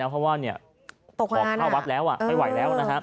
เพราะว่าออกเข้าวัดไปไหวแล้ว